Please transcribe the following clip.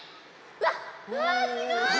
うわすごい！